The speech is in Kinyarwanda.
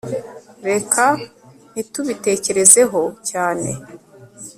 reka ntitubitekerezeho cyane